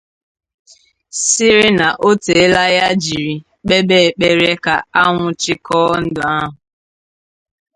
sịrị na o teela ya jiri kpebe ekpere ka a nwụchikọọ ndị ahụ